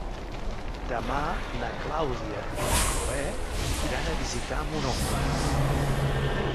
Demà na Clàudia i na Cloè iran a visitar mon oncle.